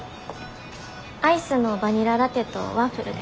アイスのバニララテとワッフルで。